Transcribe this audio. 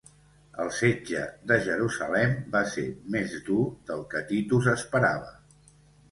El setge de Jerusalem va ser més dur del que Titus esperava.